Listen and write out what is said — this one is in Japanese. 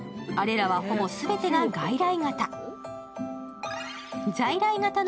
あれらはほぼ全てが外来型。